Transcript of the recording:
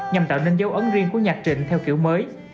nhằm tạo nên dấu ấn riêng của nhạc trịnh theo kiểu mới